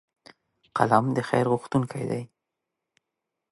قلم د خیر غوښتونکی دی